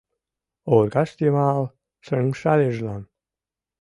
Оргаж йымал шыҥшальыжлан